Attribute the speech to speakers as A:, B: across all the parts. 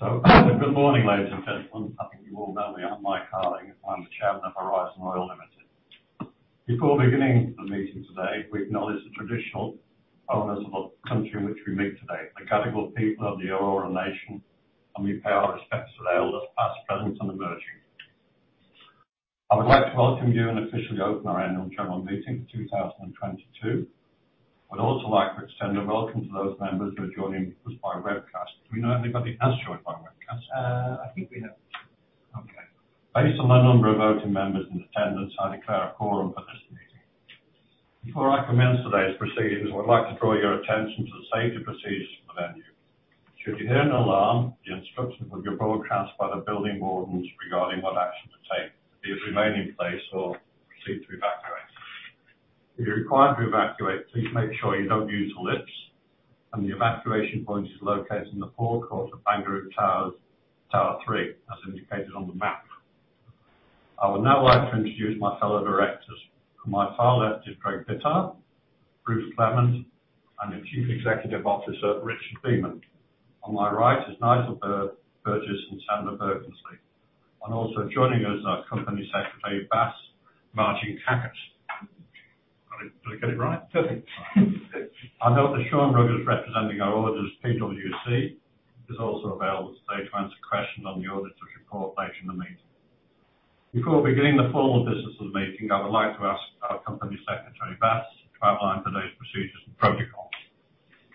A: Good morning, ladies and gentlemen. I think you all know me. I'm Mike Harding. I'm the chairman of Horizon Oil Limited. Before beginning the meeting today, we acknowledge the traditional owners of the country in which we meet today, the Gadigal people of the Eora nation, and we pay our respects to the elders, past, present, and emerging. I would like to welcome you and officially open our annual general meeting for 2022. I'd also like to extend a welcome to those members who are joining us by webcast. Do we know anybody has joined by webcast?
B: I think we have.
A: Okay. Based on the number of voting members in attendance, I declare a quorum for this meeting. Before I commence today's proceedings, I would like to draw your attention to the safety procedures for the venue. Should you hear an alarm, the instruction will be broadcast by the building wardens regarding what action to take, be it remain in place or proceed to evacuate. If you're required to evacuate, please make sure you don't use the lifts, and the evacuation point is located in the forecourt of Barangaroo Towers, tower 3, as indicated on the map. I would now like to introduce my fellow directors. To my far left is Greg Bittar, Bruce Clement, and the Chief Executive Officer, Richard Beament. On my right is Nigel Burgess, and Sandra Birkensleigh. Also joining us, our Company Secretary, Vas Margiankakos. Did I get it right?
B: Perfect.
A: Our auditor, Sean Ruggers, representing our auditors, PwC. He's also available today to answer questions on the auditor's report later in the meeting. Before beginning the formal business of the meeting, I would like to ask our Company Secretary, Vas, to outline today's procedures and protocols.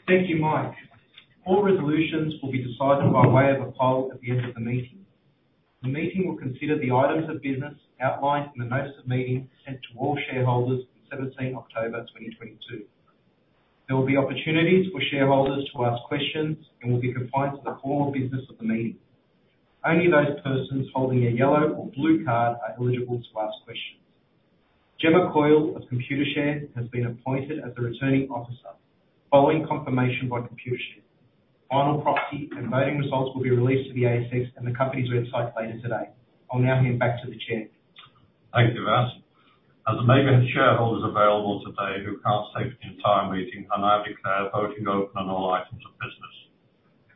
B: Thank you, Mike. All resolutions will be decided by way of a poll at the end of the meeting. The meeting will consider the items of business outlined in the notice of meeting sent to all shareholders on 17 October 2022. There will be opportunities for shareholders to ask questions and will be confined to the formal business of the meeting. Only those persons holding a yellow or blue card are eligible to ask questions. Gemma Coyle of Computershare has been appointed as the returning officer following confirmation by Computershare. Final proxy and voting results will be released to the ASX and the company's website later today. I'll now hand back to the chair.
A: Thank you, Vas. As there may be shareholders available today who can't stay for the entire meeting, I now declare voting open on all items of business.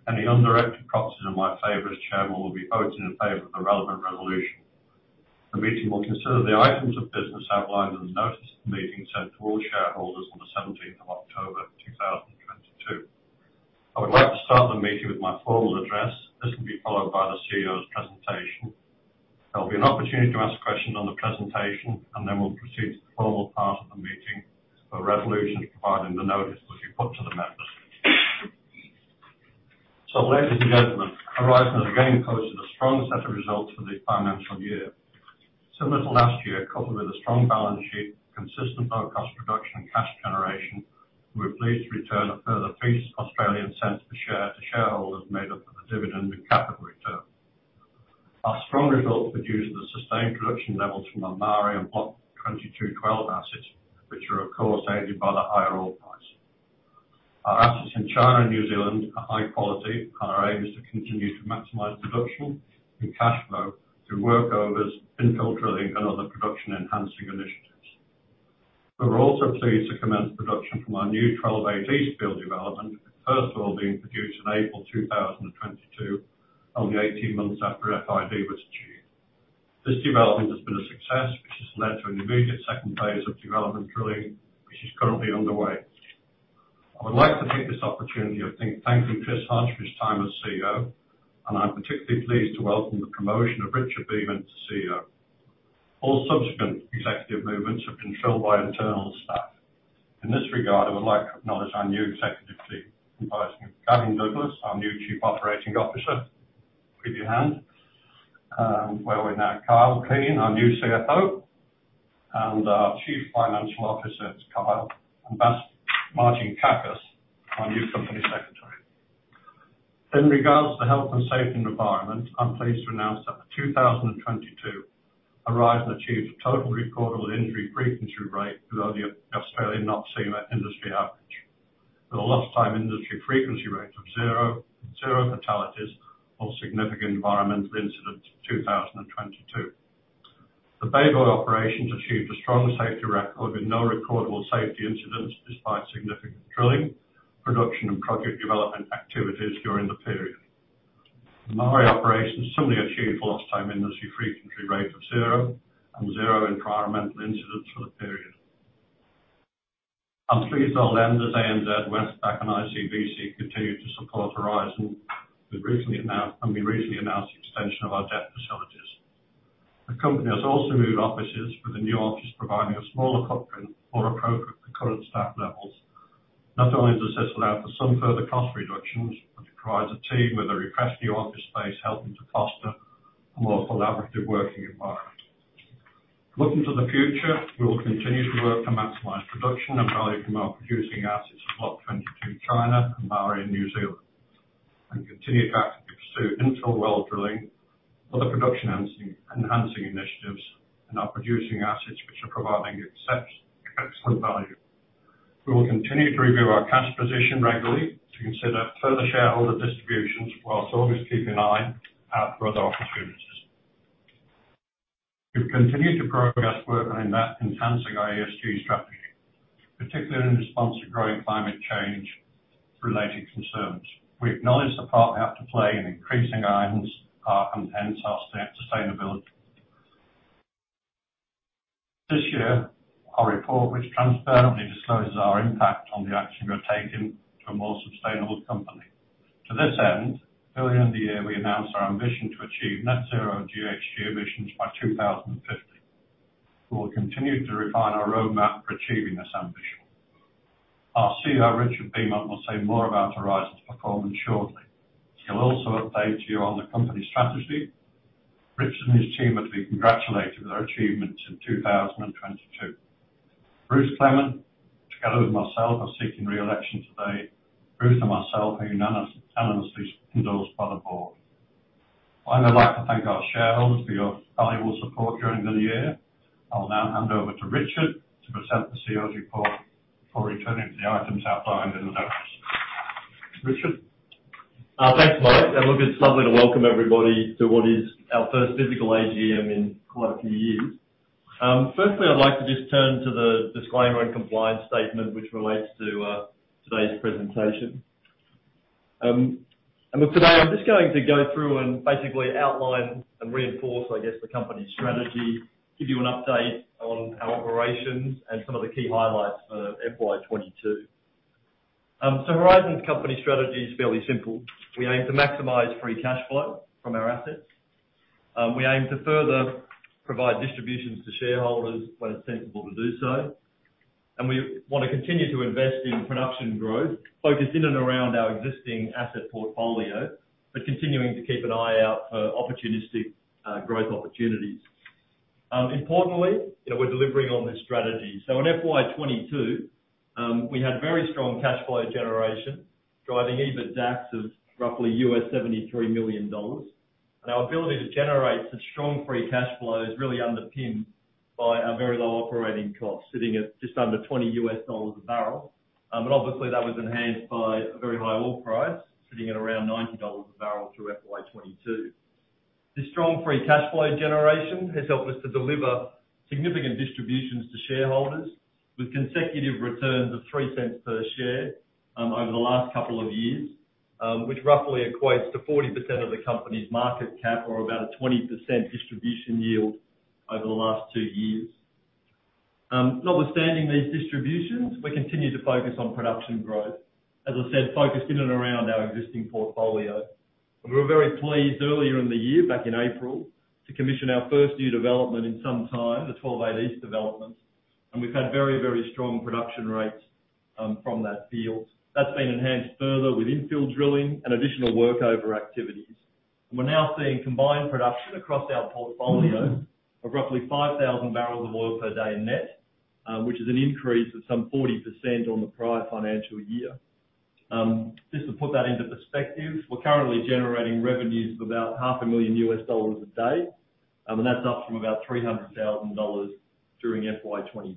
A: Any undirected proxies in my favor as Chairman will be voting in favor of the relevant resolution. The meeting will consider the items of business outlined in the notice of the meeting sent to all shareholders on the 17th of October 2022. I would like to start the meeting with my formal address. This will be followed by the CEO's presentation. There'll be an opportunity to ask questions on the presentation, and then we'll proceed to the formal part of the meeting for resolutions provided in the notice will be put to the members. Ladies and gentlemen, Horizon Oil has again posted a strong set of results for the financial year. Similar to last year, coupled with a strong balance sheet, consistent low-cost production and cash generation, we are pleased to return a further AUD 0.03 per share to shareholders made up of the dividend and capital return. Our strong results produced the sustained production levels from our Maari and Block 22/12 assets, which are of course aided by the higher oil price. Our assets in China and New Zealand are high quality. Our aim is to continue to maximize production and cash flow through workovers, infill drilling, and other production-enhancing initiatives. We're also pleased to commence production from our new 12-8 East field development, with the first oil being produced in April 2022, only 18 months after FID was achieved. This development has been a success, which has led to an immediate second phase of development drilling, which is currently underway. I would like to take this opportunity of thanking Chris Hodge for his time as CEO, and I'm particularly pleased to welcome the promotion of Richard Beament to CEO. All subsequent executive movements have been filled by internal staff. In this regard, I would like to acknowledge our new executive team, comprising of Gavin Douglas, our new Chief Operating Officer. Give you a hand. Where are we now? Kyle Keen, our new CFO. Our Chief Financial Officer, it's Kyle. Vas Margiankakos, our new company secretary. In regards to health and safety environment, I'm pleased to announce that for 2022, Horizon achieved a total recordable injury frequency rate below the Australian NOPSEMA industry average, with a lost time industry frequency rate of zero fatalities or significant environmental incidents in 2022. The Beibu operations achieved a strong safety record with no recordable safety incidents despite significant drilling, production, and project development activities during the period. The Maari operations similarly achieved lost time industry frequency rate of zero and zero environmental incidents for the period. I'm pleased to announce that ANZ, Westpac and ICBC continue to support Horizon. We recently announced the extension of our debt facilities. The company has also moved offices, with the new office providing a smaller footprint more appropriate for current staff levels. Not only does this allow for some further cost reductions, but it provides a team with a refreshed new office space, helping to foster a more collaborative working environment. Looking to the future, we will continue to work to maximize production and value from our producing assets of Block 22/12 and Maari in New Zealand, and continue to actively pursue infill well drilling, other production-enhancing initiatives in our producing assets which are providing excellent value. We will continue to review our cash position regularly to consider further shareholder distributions whilst always keeping an eye out for other opportunities. We've continued to progress work on enhancing our ESG strategy, particularly in response to growing climate change-related concerns. We acknowledge the part we have to play in increasing our commitments, our sustainability. This year, our report, which transparently discloses our impact on the actions we are taking to a more sustainable company. To this end, earlier in the year, we announced our ambition to achieve net zero GHG emissions by 2050. We will continue to refine our roadmap for achieving this ambition. Our CEO, Richard Beament, will say more about Horizon's performance shortly. He'll also update you on the company strategy. Richard and his team are to be congratulated for their achievements in 2022. Bruce Clement, together with myself, are seeking re-election today. Bruce and myself are unanimously endorsed by the board. I'd also like to thank our shareholders for your valuable support during the year. I will now hand over to Richard to present the CEO's report before returning to the items outlined in the notice. Richard?
C: Thanks, Mike. It's lovely to welcome everybody to what is our first physical AGM in quite a few years. Firstly, I'd like to just turn to the disclaimer and compliance statement, which relates to today's presentation. Today I'm just going to go through and basically outline and reinforce, I guess, the company's strategy, give you an update on our operations and some of the key highlights for FY22. Horizon Oil's company strategy is fairly simple. We aim to maximize free cash flow from our assets. We aim to further provide distributions to shareholders when it's sensible to do so, and we want to continue to invest in production growth focused in and around our existing asset portfolio, but continuing to keep an eye out for opportunistic growth opportunities. Importantly, we're delivering on this strategy. In FY22, we had very strong cash flow generation, driving EBITDAX of roughly $73 million. Our ability to generate such strong free cash flow is really underpinned by our very low operating cost, sitting at just under $20 a barrel. Obviously, that was enhanced by a very high oil price, sitting at around 90 dollars a barrel through FY22. This strong free cash flow generation has helped us to deliver significant distributions to shareholders with consecutive returns of 0.03 per share, over the last couple of years, which roughly equates to 40% of the company's market cap or about a 20% distribution yield over the last two years. Notwithstanding these distributions, we continue to focus on production growth. As I said, focused in and around our existing portfolio. We were very pleased earlier in the year, back in April, to commission our first new development in some time, the 12-8 East development, and we've had very strong production rates from that field. That's been enhanced further with infill drilling and additional workover activities. We're now seeing combined production across our portfolio of roughly 5,000 barrels of oil per day net, which is an increase of some 40% on the prior financial year. Just to put that into perspective, we're currently generating revenues of about $0.5 million a day. That's up from about $300,000 during FY22.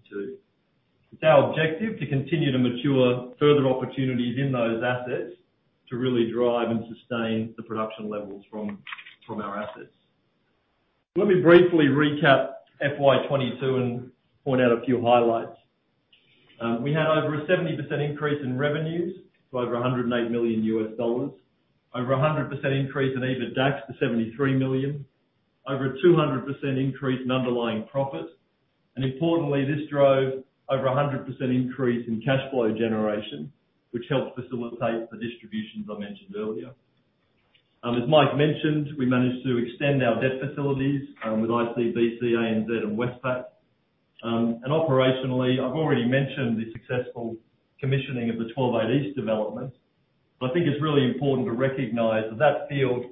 C: It's our objective to continue to mature further opportunities in those assets to really drive and sustain the production levels from our assets. Let me briefly recap FY22 and point out a few highlights. We had over a 70% increase in revenues to over $108 million. Over 100% increase in EBITDAX to $73 million. Over a 200% increase in underlying profit. Importantly, this drove over 100% increase in cash flow generation, which helped facilitate the distributions I mentioned earlier. As Mike mentioned, we managed to extend our debt facilities, with ICBC, ANZ and Westpac. Operationally, I've already mentioned the successful commissioning of the 12-8 East development. I think it's really important to recognize that that field,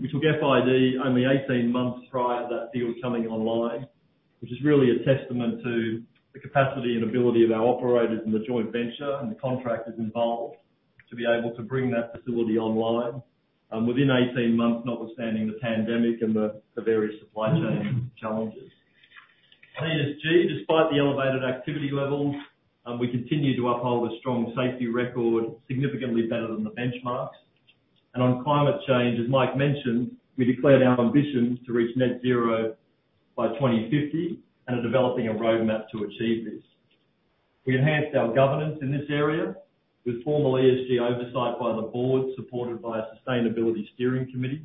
C: we took FID only 18 months prior to that field coming online, which is really a testament to the capacity and ability of our operators in the joint venture and the contractors involved to be able to bring that facility online within 18 months, notwithstanding the pandemic and the various supply chain challenges. ESG, despite the elevated activity levels, we continue to uphold a strong safety record, significantly better than the benchmarks. On climate change, as Mike mentioned, we declared our ambitions to reach net zero by 2050 and are developing a roadmap to achieve this. We enhanced our governance in this area with formal ESG oversight by the board, supported by a sustainability steering committee.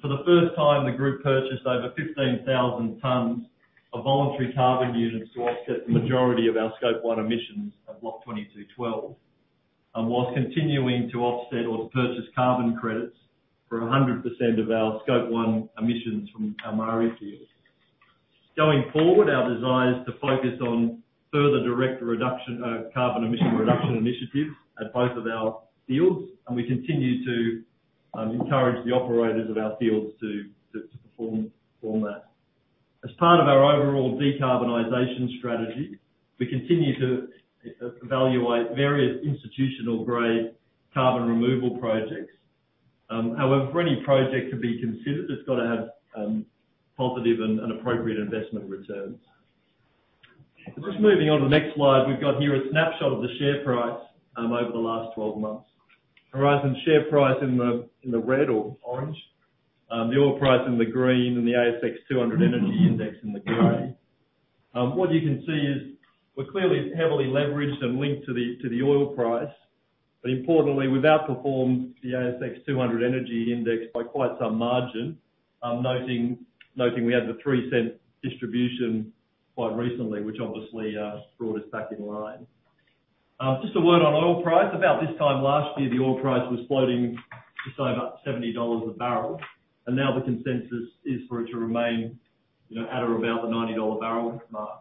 C: For the first time, the group purchased over 15,000 tons of voluntary carbon units to offset the majority of our Scope 1 emissions at Block 22/12, and whilst continuing to offset or purchase carbon credits for 100% of our Scope 1 emissions from our Maari fields. Going forward, our desire is to focus on further direct carbon emission reduction initiatives at both of our fields, and we continue to encourage the operators of our fields to perform that. As part of our overall decarbonization strategy, we continue to evaluate various institutional-grade carbon removal projects. For any project to be considered, it's got to have positive and appropriate investment returns. Just moving on to the next slide, we've got here a snapshot of the share price over the last 12 months. Horizon share price in the red or orange, the oil price in the green, and the ASX 200 Energy Index in the gray. What you can see is we're clearly heavily leveraged and linked to the oil price. Importantly, we've outperformed the ASX 200 Energy Index by quite some margin. Noting we had the 0.03 distribution quite recently, which obviously brought us back in line. Just a word on oil price. About this time last year, the oil price was floating just over 70 dollars a barrel, and now the consensus is for it to remain at or about the 90 dollar a barrel mark.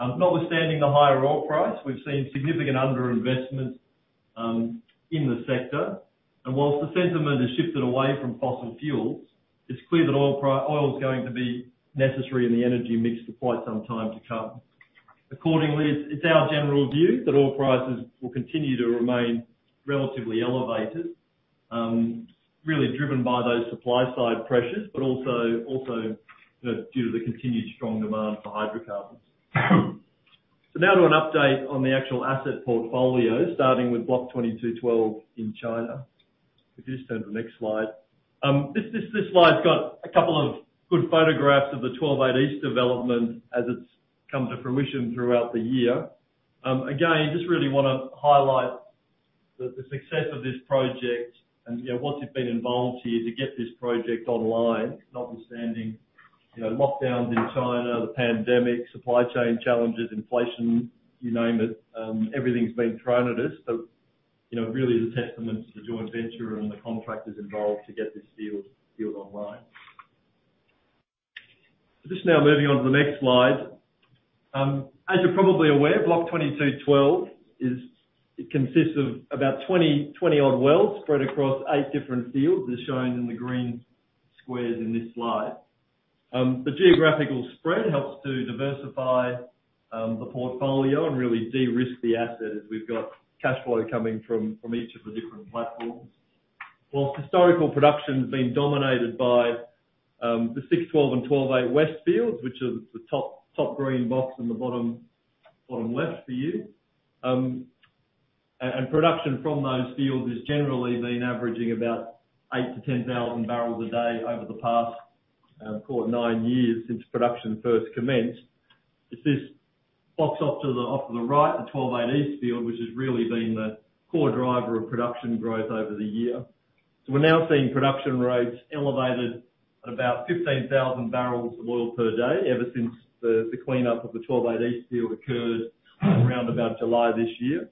C: Notwithstanding the higher oil price, we've seen significant underinvestment in the sector, and whilst the sentiment has shifted away from fossil fuels, it's clear that oil's going to be necessary in the energy mix for quite some time to come. Accordingly, it's our general view that oil prices will continue to remain relatively elevated, really driven by those supply side pressures, but also due to the continued strong demand for hydrocarbons. Now to an update on the actual asset portfolio, starting with Block 22/12 in China. If you just turn to the next slide. This slide's got a couple of good photographs of the 12-8 East development as it's come to fruition throughout the year. Again, just really want to highlight the success of this project and what's been involved here to get this project online, notwithstanding lockdowns in China, the pandemic, supply chain challenges, inflation, you name it, everything's been thrown at us. Really the testament to the joint venture and the contractors involved to get this field online. Just now moving on to the next slide. As you're probably aware, Block 22/12 consists of about 20 odd wells spread across eight different fields, as shown in the green squares in this slide. The geographical spread helps to diversify the portfolio and really de-risk the asset, as we've got cash flow coming from each of the different platforms. Whilst historical production has been dominated by the 6-12 and 12-8 West fields, which is the top green box in the bottom left for you. Production from those fields has generally been averaging about 8,000-10,000 barrels a day over the past nine years since production first commenced. It's this box off to the right, the 12-8 East field, which has really been the core driver of production growth over the year. We're now seeing production rates elevated at about 15,000 barrels of oil per day ever since the clean-up of the 12-8 East field occurred around about July this year.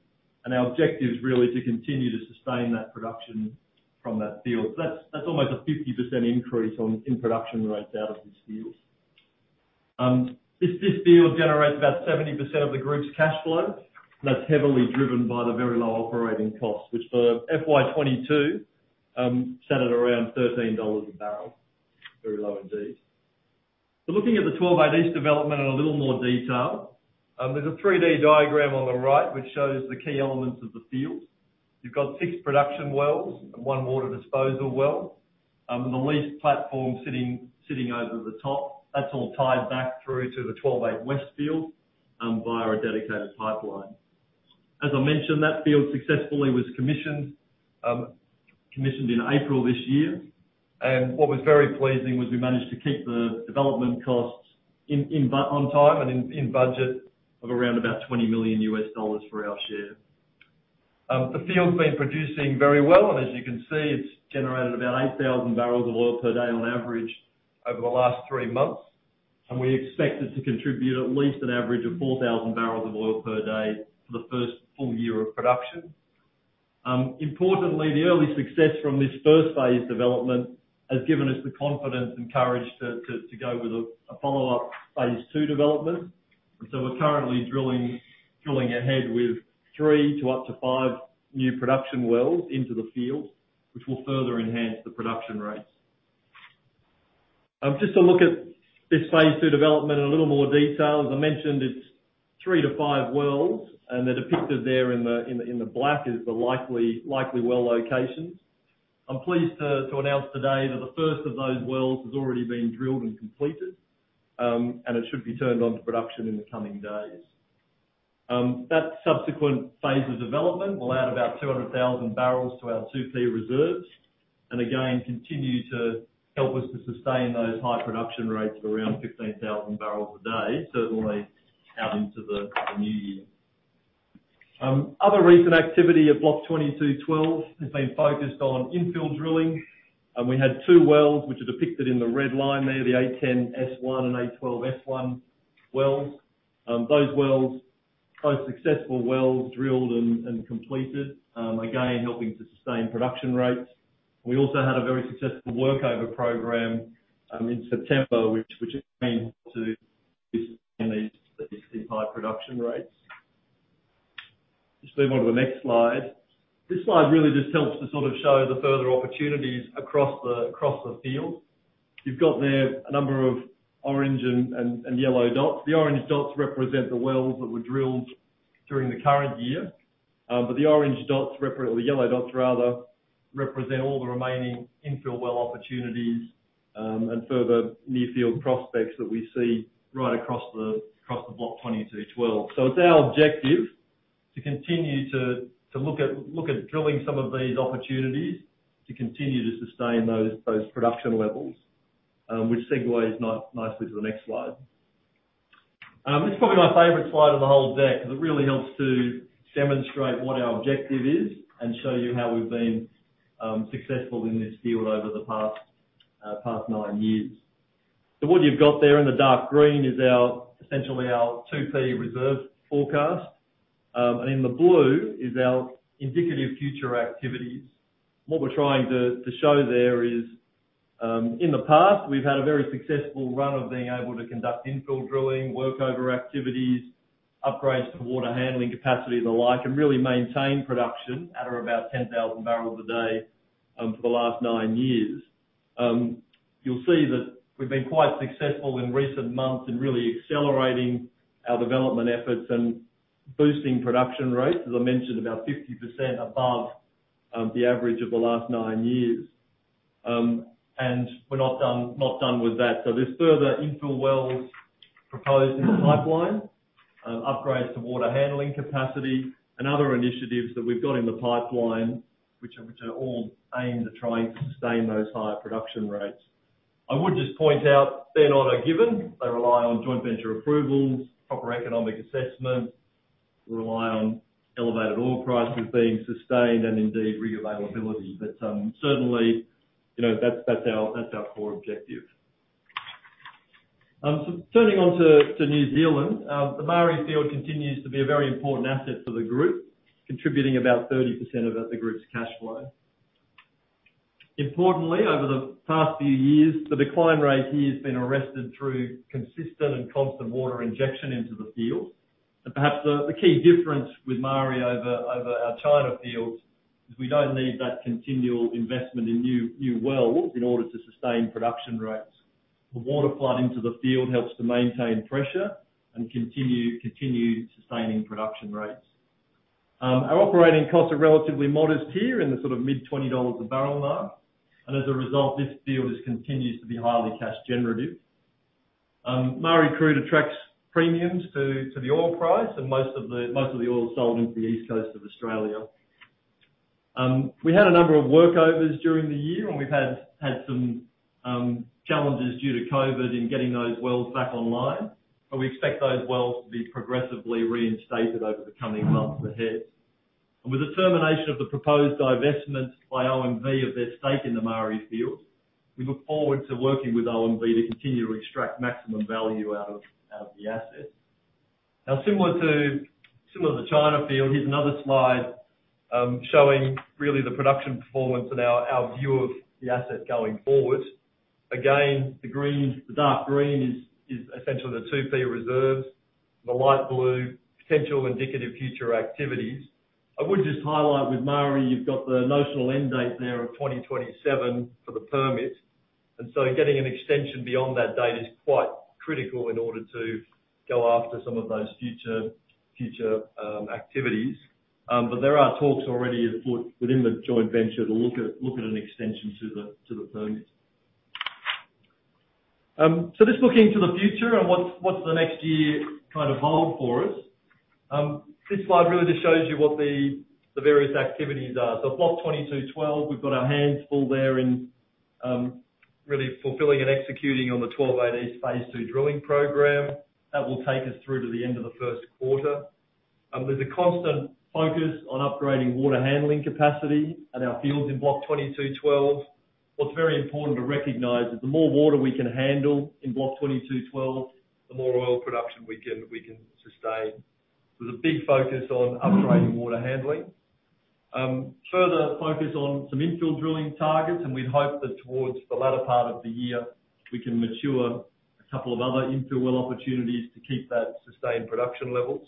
C: Our objective is really to continue to sustain that production from that field. That's almost a 50% increase in production rates out of this field. This field generates about 70% of the group's cash flow. That's heavily driven by the very low operating cost, which for FY22, sat at around AUD 13 a barrel. Very low indeed. Looking at the 12-8 East development in a little more detail, there is a 3D diagram on the right, which shows the key elements of the field. You've got six production wells and one water disposal well, and the lease platform sitting over the top. That's all tied back through to the 12-8 West field via a dedicated pipeline. As I mentioned, that field successfully was commissioned in April this year. What was very pleasing was we managed to keep the development costs on time and in budget of around about $20 million USD for our share. The field's been producing very well, and as you can see, it's generated about 8,000 barrels of oil per day on average over the last three months. We expect it to contribute at least an average of 4,000 barrels of oil per day for the first full year of production. Importantly, the early success from this first phase development has given us the confidence and courage to go with a follow-up phase 2 development. We're currently drilling ahead with three to up to five new production wells into the field, which will further enhance the production rates. Just to look at this phase 2 development in a little more detail. As I mentioned, it's three to five wells, and they're depicted there in the black is the likely well locations. I'm pleased to announce today that the first of those wells has already been drilled and completed, and it should be turned on to production in the coming days. That subsequent phase of development will add about 200,000 barrels to our 2P reserves, and again, continue to help us to sustain those high production rates of around 15,000 barrels a day, certainly out into the new year. Other recent activity at Block 22/12 has been focused on infill drilling. We had two wells, which are depicted in the red line there, the A10S1 and A12S1 wells. Those successful wells drilled and completed, again, helping to sustain production rates. We also had a very successful workover program in September, which has meant to these high production rates. Just move on to the next slide. This slide really just helps to sort of show the further opportunities across the field. You've got there a number of orange and yellow dots. The orange dots represent the wells that were drilled during the current year. The yellow dots rather, represent all the remaining infill well opportunities, and further near field prospects that we see right across the Block 22/12. It's our objective to continue to look at drilling some of these opportunities to continue to sustain those production levels, which segues nicely to the next slide. This is probably my favorite slide of the whole deck because it really helps to demonstrate what our objective is and show you how we've been successful in this field over the past nine years. What you've got there in the dark green is essentially our 2P reserve forecast, and in the blue is our indicative future activities. What we're trying to show there is, in the past, we've had a very successful run of being able to conduct infill drilling, work over activities, upgrades to water handling capacity and the like, and really maintain production at or about 10,000 barrels a day, for the last nine years. You'll see that we've been quite successful in recent months in really accelerating our development efforts and boosting production rates, as I mentioned, about 50% above the average of the last nine years. We're not done with that. There's further infill wells proposed in the pipeline, upgrades to water handling capacity and other initiatives that we've got in the pipeline, which are all aimed at trying to sustain those higher production rates. I would just point out they're not a given. They rely on joint venture approvals, proper economic assessment. They rely on elevated oil prices being sustained and indeed re-availability. Certainly, that's our core objective. Turning on to New Zealand, the Maari field continues to be a very important asset for the group, contributing about 30% of the group's cash flow. Importantly, over the past few years, the decline rate here has been arrested through consistent and constant water injection into the field. Perhaps the key difference with Maari over our China fields is we don't need that continual investment in new wells in order to sustain production rates. The water flood into the field helps to maintain pressure and continue sustaining production rates. Our operating costs are relatively modest here in the sort of mid-AUD 20 a barrel mark, and as a result, this field just continues to be highly cash generative. Maari crude attracts premiums to the oil price, and most of the oil is sold into the east coast of Australia. We had a number of workovers during the year, and we've had some challenges due to COVID in getting those wells back online. We expect those wells to be progressively reinstated over the coming months ahead. With the termination of the proposed divestment by OMV of their stake in the Maari field, we look forward to working with OMV to continue to extract maximum value out of the asset. Similar to the China field, here's another slide showing really the production performance and our view of the asset going forward. The dark green is essentially the 2P reserves, the light blue, potential indicative future activities. I would just highlight with Maari, you've got the notional end date there of 2027 for the permit, getting an extension beyond that date is quite critical in order to go after some of those future activities. There are talks already afoot within the joint venture to look at an extension to the permit. Just looking to the future and what's the next year hold for us. This slide really just shows you what the various activities are. Block 22/12, we've got our hands full there in really fulfilling and executing on the WZ12-8E Phase 2 drilling program. That will take us through to the end of the first quarter. There's a constant focus on upgrading water handling capacity at our fields in Block 22/12. What's very important to recognize is the more water we can handle in Block 22/12, the more oil production we can sustain. There's a big focus on upgrading water handling. Further focus on some infill drilling targets, and we'd hope that towards the latter part of the year, we can mature a couple of other infill well opportunities to keep that sustained production levels.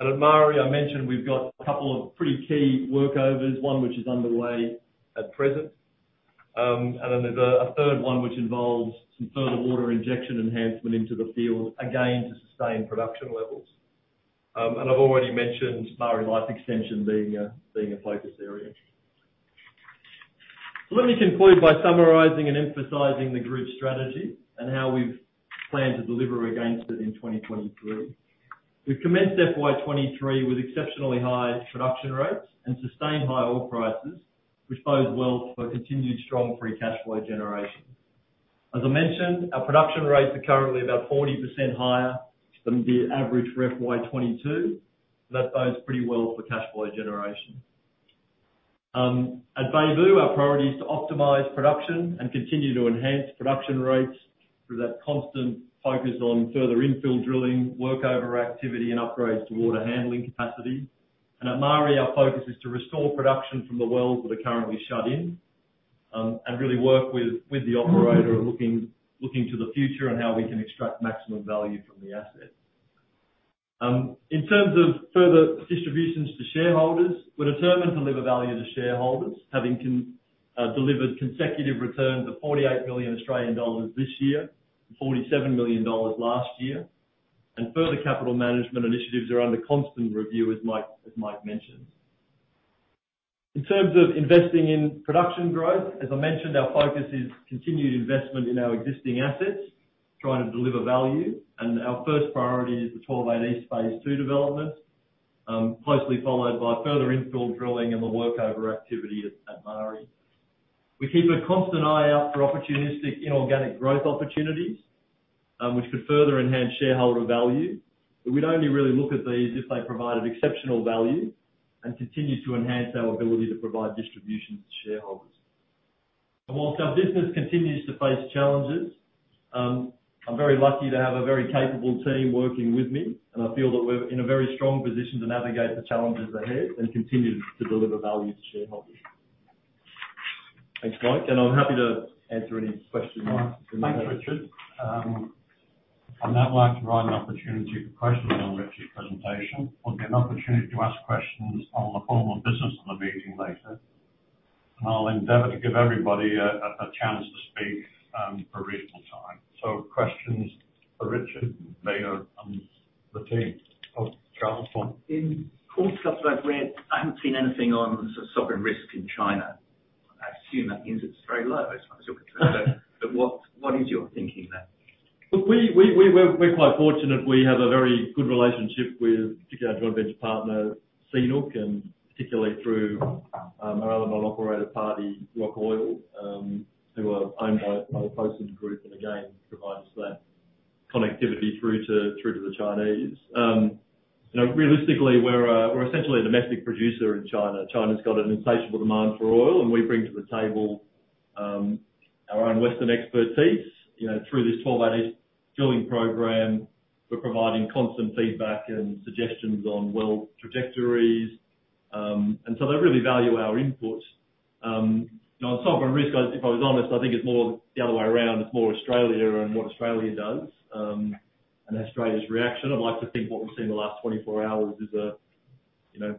C: At Maari, I mentioned we've got a couple of pretty key workovers, one which is underway at present. Then there's a third one, which involves some further water injection enhancement into the field, again, to sustain production levels. I've already mentioned Maari life extension being a focus area. Let me conclude by summarizing and emphasizing the group's strategy and how we've planned to deliver against it in 2023. We've commenced FY23 with exceptionally high production rates and sustained high oil prices, which bodes well for continued strong free cash flow generation. As I mentioned, our production rates are currently about 40% higher than the average for FY22. That bodes pretty well for cash flow generation. At Beibu, our priority is to optimize production and continue to enhance production rates through that constant focus on further infill drilling, workover activity and upgrades to water handling capacity. At Maari, our focus is to restore production from the wells that are currently shut in, and really work with the operator looking to the future on how we can extract maximum value from the asset. In terms of further distributions to shareholders, we're determined to deliver value to shareholders, having delivered consecutive returns of 48 million Australian dollars this year, 47 million dollars last year, and further capital management initiatives are under constant review, as Mike mentioned. In terms of investing in production growth, as I mentioned, our focus is continued investment in our existing assets, trying to deliver value. Our first priority is the 12-8 East Phase 2 development, closely followed by further infill drilling and the workover activity at Maari. We keep a constant eye out for opportunistic inorganic growth opportunities, which could further enhance shareholder value. We'd only really look at these if they provided exceptional value and continued to enhance our ability to provide distributions to shareholders. Whilst our business continues to face challenges, I'm very lucky to have a very capable team working with me, and I feel that we're in a very strong position to navigate the challenges ahead and continue to deliver value to shareholders. Thanks, Mike. I'm happy to answer any questions.
A: Thanks, Richard. Now I'd like to provide an opportunity for questions on Richard's presentation. We'll get an opportunity to ask questions on the formal business of the meeting later. I'll endeavor to give everybody a chance to speak for a reasonable time. Questions for Richard, Leo, and the team. Charles Horn.
D: In all the stuff that I've read, I haven't seen anything on sovereign risk in China. I assume that means it's very low as far as you're concerned. What is your thinking there?
C: Look, we're quite fortunate. We have a very good relationship with particularly our joint venture partner, CNOOC, and particularly through our other non-operator party, Roc Oil, who are owned by the Fosun Group, and again, provide us that connectivity through to the Chinese. Realistically, we're essentially a domestic producer in China. China's got an insatiable demand for oil, and we bring to the table our own Western expertise. Through this 12-8 East drilling program, we're providing constant feedback and suggestions on well trajectories. They really value our input. On sovereign risk, if I was honest, I think it's more the other way around. It's more Australia and what Australia does, and Australia's reaction. I'd like to think what we've seen in the last 24 hours is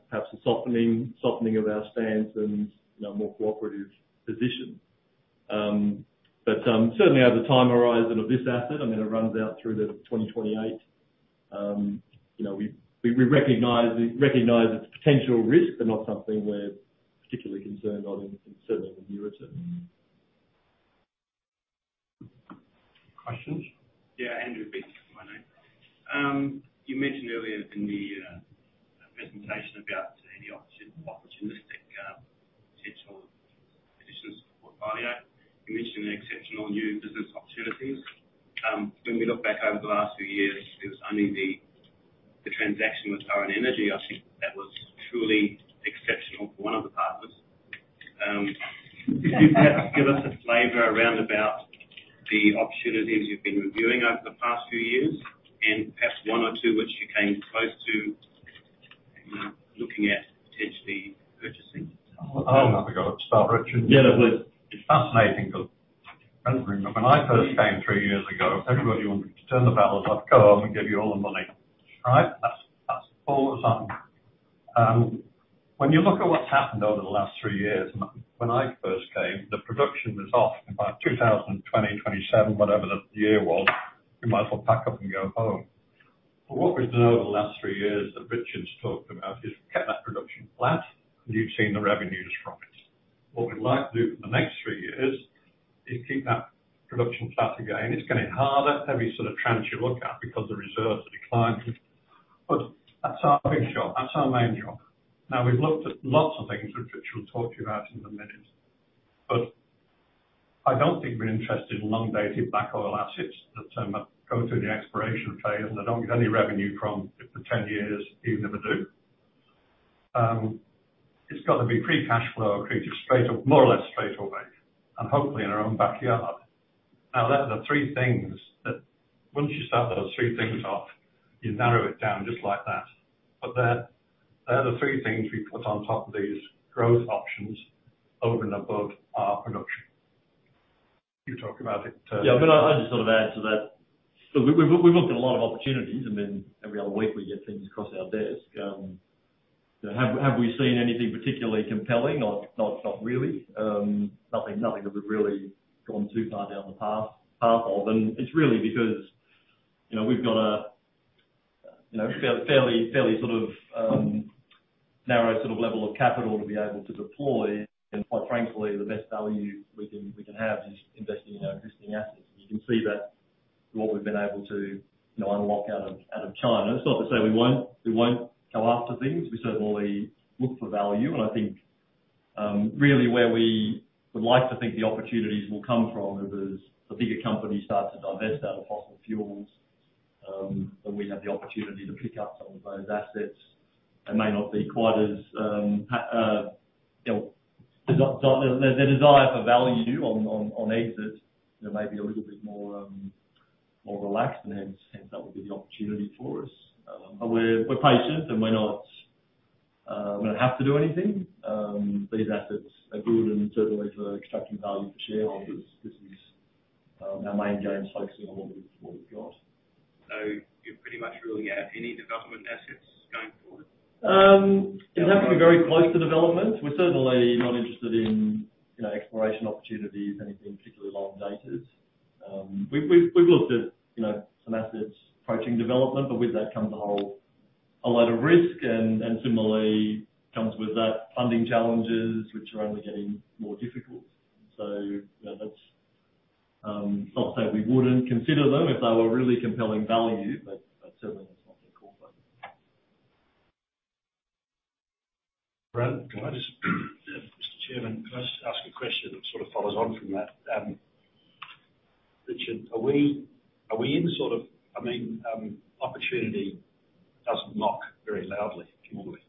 C: perhaps a softening of our stance and a more cooperative position. Certainly as a time horizon of this asset, I mean, it runs out through to 2028. We recognize its potential risk, but not something we're particularly concerned on, and certainly in the near term.
A: Questions?
D: Yeah, Andrew Beach is my name. You mentioned earlier in the presentation about any opportunistic potential positions for the portfolio. You mentioned exceptional new business opportunities. When we look back over the last few years, it was only the transaction with [Current] Energy. I think that was truly exceptional for one of the partners. Could you perhaps give us a flavor around about the opportunities you've been reviewing over the past few years and perhaps one or two which you came close to looking at potentially purchasing?
A: Have we got to start, Richard?
C: Yeah.
A: It's fascinating because I remember when I first came three years ago, everybody wanted me to turn the bells off, go home, and give you all the money, right? That's all there was. When you look at what's happened over the last three years, and when I first came, the production was off by 2020, 2027, whatever the year was. We might as well pack up and go home. What we've done over the last three years that Richard's talked about is kept that production flat, and you've seen the revenues from it. What we'd like to do for the next three years is keep that production flat again. It's getting harder, every sort of tranche you look at because the reserves are declining. That's our big shot. That's our main job. We've looked at lots of things, which Richard will talk to you about in a minute. I don't think we're interested in long-dated back oil assets that go through the exploration phase, and I don't get any revenue from it for 10 years, you never do. It's got to be free cash flow accretive more or less straight away, and hopefully in our own backyard. They're the three things that once you start those three things off, you narrow it down just like that. They're the three things we put on top of these growth options over and above our production. You talk about it in turn.
C: Yeah. I'll just sort of add to that. We've looked at a lot of opportunities, and then every other week, we get things across our desk. Have we seen anything particularly compelling? Not really. Nothing that we've really gone too far down the path of. It's really because we've got a fairly sort of narrow sort of level of capital to be able to deploy. Quite frankly, the best value we can have is investing in our existing assets. You can see that what we've been able to unlock out of China. It's not to say we won't go after things. We certainly look for value. I think really where we would like to think the opportunities will come from is as the bigger companies start to divest out of fossil fuels, then we have the opportunity to pick up some of those assets. Their desire for value on exit may be a little bit more relaxed, hence that would be the opportunity for us. We're patient, we don't have to do anything. These assets are good, certainly for extracting value for shareholders, this is our main game is focusing on what we've got. You're pretty much ruling out any development assets going forward? It'd have to be very close to development. We're certainly not interested in exploration opportunities, anything particularly long dated. We've looked at some assets approaching development, with that comes a whole load of risk similarly comes with that funding challenges which are only getting more difficult. It's not to say we wouldn't consider them if they were really compelling value, certainly that's not their core focus.
D: Brent, Mr. Chairman, can I just ask a question that sort of follows on from that? Richard, are we in sort of Opportunity doesn't knock very loudly, generally?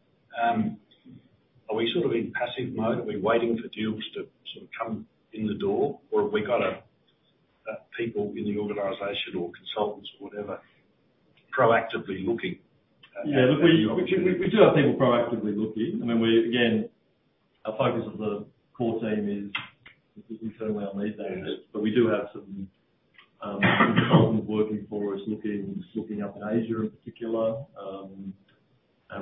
D: Are we sort of in passive mode? Are we waiting for deals to come in the door, or have we got people in the organization or consultants or whatever, proactively looking?
C: Yeah. We do have people proactively looking, and then again, our focus of the core team is because we certainly need that. We do have some consultants working for us looking up in Asia in particular.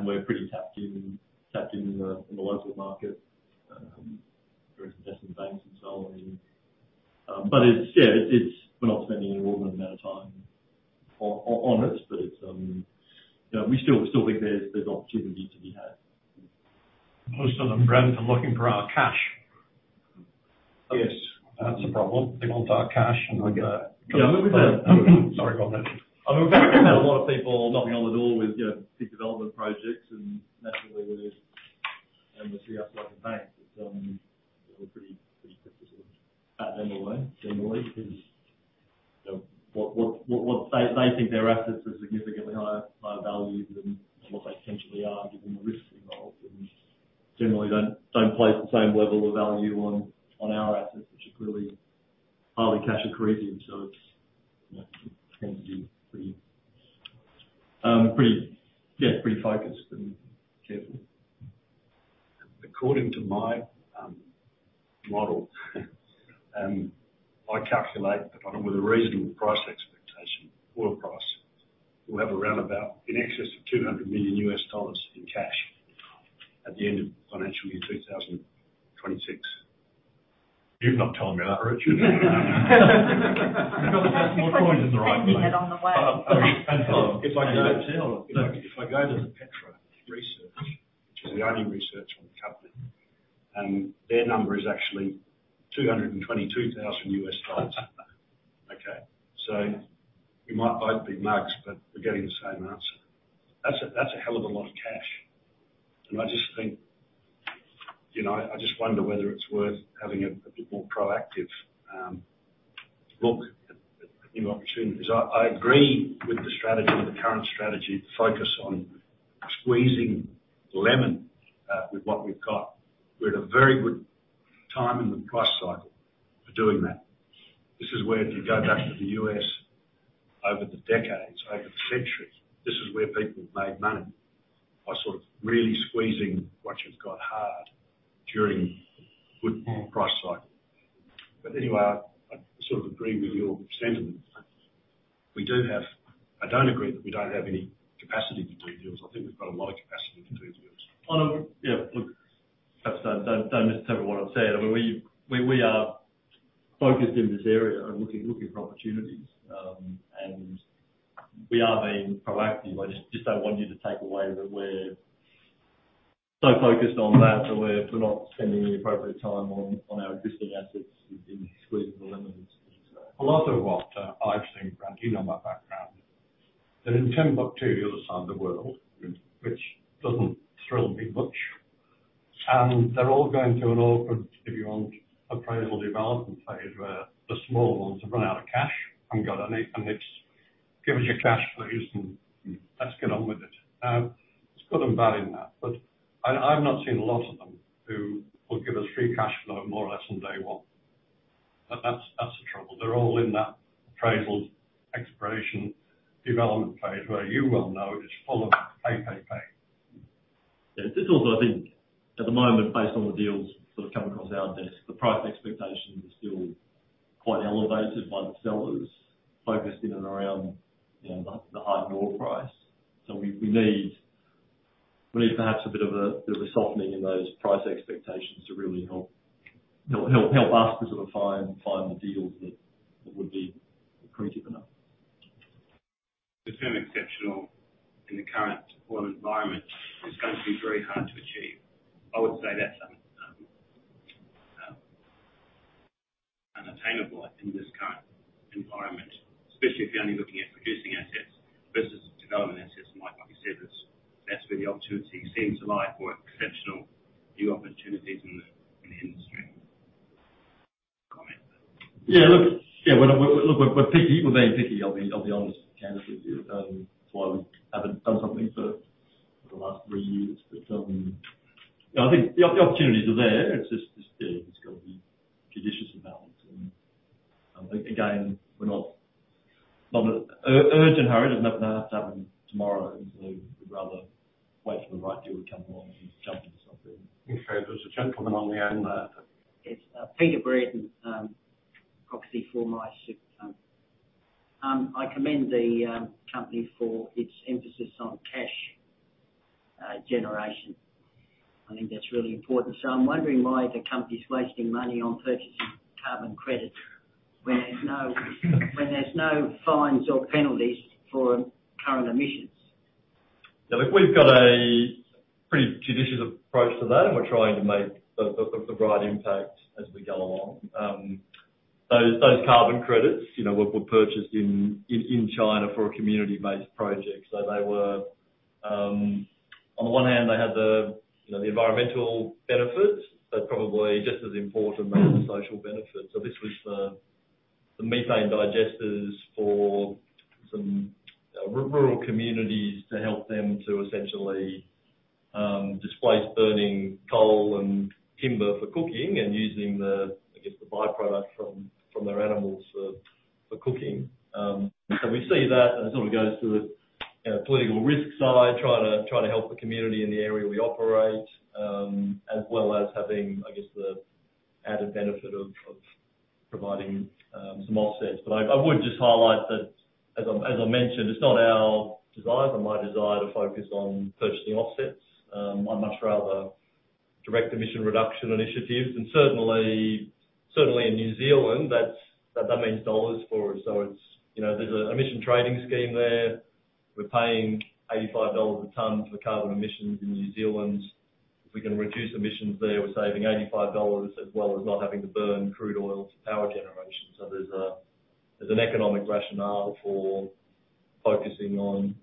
C: We're pretty tapped in the local market through investment banks and so on. We're not spending an inordinate amount of time on it. We still think there's opportunity to be had.
A: Most of them, Brent, are looking for our cash.
D: Yes. That's a problem. They want our cash and we got. Sorry, go on then.
C: I mean, we've had a lot of people knocking on the door with big development projects, and naturally they see us like a bank. We're pretty skeptical about them anyway, generally, because they think their assets are significantly higher in squeezing the lemons.
A: A lot of what I've seen, Brent, given my background, that in terms of to the other side of the world, which doesn't thrill me much, and they're all going through an open, if you want, appraisal development phase where the small ones have run out of cash and got a need, and it's give us your cash please and let's get on with it. There's good and bad in that. I've not seen a lot of them who would give us free cash flow more or less on day one. That's the trouble. They're all in that appraisal, exploration, development phase where you well know it's full of pay, pay.
C: At the moment, based on the deals that have come across our desk, the price expectation is still quite elevated by the sellers focused in and around the high oil price. We need perhaps a bit of a softening in those price expectations to really help us to find the deals that would be accretive enough. The term exceptional in the current oil environment is going to be very hard to achieve. I would say that's unattainable in this current environment, especially if you're only looking at producing assets versus development assets. Like what you said, that's where the opportunity seems to lie for exceptional new opportunities in the industry. Comment. We're being picky. I'll be honest, Chairman. That's why we haven't done something for the last three years. The opportunities are there. It's just got to be judicious and balanced and again, we're not urgent, hurried and have to have them tomorrow. We'd rather wait for the right deal to come along and jump on something.
D: Okay. There's a gentleman on the end there. It's Peter Brereton, proxy for my super fund. I commend the company for its emphasis on cash generation. I think that's really important. I'm wondering why the company's wasting money on purchasing carbon credits when there's no fines or penalties for current emissions.
C: We've got a pretty judicious approach to that, and we're trying to make the right impact as we go along. Those carbon credits were purchased in China for a community-based project. On one hand, they had the environmental benefits, but probably just as important were the social benefits. This was the methane digesters for some rural communities to help them to essentially displace burning coal and timber for cooking and using, I guess, the by-product from their animals for cooking. We see that as sort of goes to the political risk side, trying to help the community in the area we operate, as well as having, I guess, the added benefit of providing some offsets. I would just highlight that, as I mentioned, it's not our desire or my desire to focus on purchasing offsets. I much rather direct emission reduction initiatives, and certainly in New Zealand, that means NZD for us. There's an emission trading scheme there. We're paying 85 dollars a ton for carbon emissions in New Zealand. If we can reduce emissions there, we're saving 85 dollars, as well as not having to burn crude oil for power generation. There's an economic rationale for focusing on